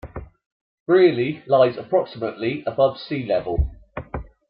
Brierley lies approximately above sea level.